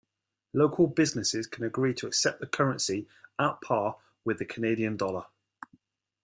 Local businesses can agree to accept the currency at par with the Canadian dollar.